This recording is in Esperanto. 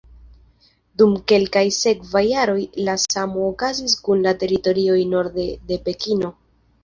Dum kelkaj sekvaj jaroj la samo okazis kun la teritorioj norde de Pekino.